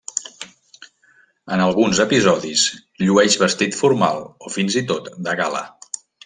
En alguns episodis llueix vestit formal o fins i tot de gala.